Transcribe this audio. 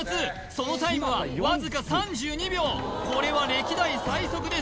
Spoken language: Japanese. そのタイムはわずか３２秒これは歴代最速です